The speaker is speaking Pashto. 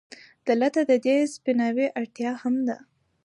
دلته د دې سپيناوي اړتيا هم ده،